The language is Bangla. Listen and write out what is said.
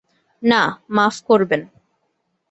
না, মাফ করবেন।